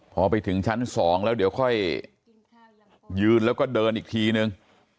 พอไปถึงชั้น๒แล้วเดี๋ยวค่อยยืนแล้วก็เดินอีกทีนึง